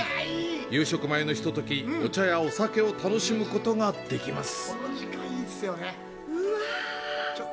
夕食前のひととき、お茶やお酒を楽しむことができます。